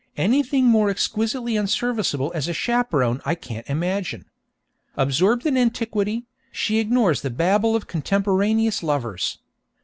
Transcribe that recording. Anything more exquisitely unserviceable as a chaperon I can't imagine. Absorbed in antiquity, she ignores the babble of contemporaneous lovers.